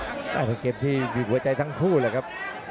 แตะเกมที่มีมือใจทั้งคู่เลยครับ